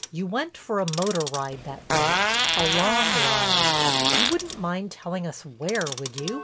You went for a motor ride that night—a long ride. You wouldn't mind telling us where, would you?